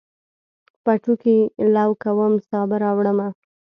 پټوکي لو کوم، سابه راوړمه